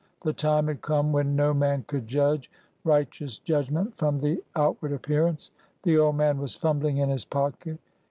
The time had come when no man could judge righteous judgment from the out ward appearance. The old man was fumbling in his pocket.